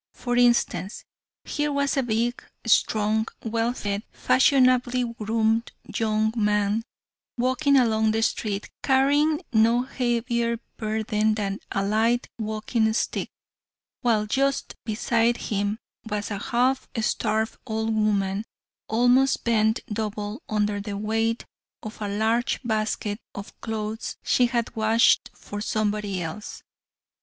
For instance, here was a big, strong, well fed fashionably groomed young man, walking along the street, carrying no heavier burden than a light walking stick, while just beside him was a half starved old woman, almost bent double under the weight of a large basket of clothes she had washed for somebody else.